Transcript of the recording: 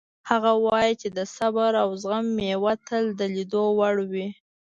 هغه وایي چې د صبر او زغم میوه تل د لیدو وړ وي